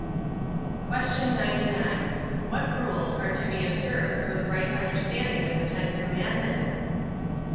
Q. 99. What rules are to be observed for the right understanding of the Ten Commandments?